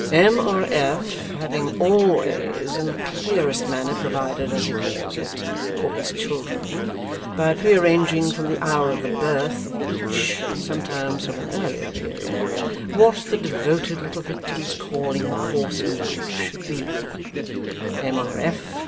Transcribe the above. M. R. F. having always in the clearest manner provided (as he calls it) for his children by pre arranging from the hour of the birth of each, and sometimes from an earlier period, what the devoted little victim's calling and course in life should be, M. R.